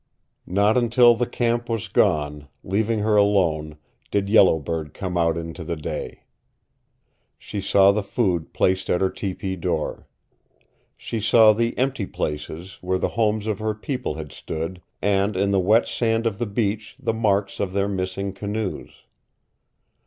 Not until the camp was gone, leaving her alone, did Yellow Bird come out into the day. She saw the food placed at her tepee door. She saw the empty places where the homes of her people had stood, and in the wet sand of the beach the marks of their missing canoes.